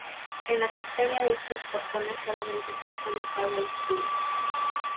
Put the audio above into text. En la crestería de estos portones solamente se ha colocado el escudo.